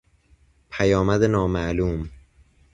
پیامد نامعلوم